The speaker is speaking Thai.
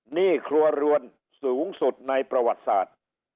หนี้ครัวเรือนสูงสุดในประวัติศาสตร์